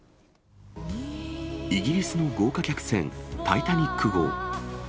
イギリスの豪華客船、タイタニック号。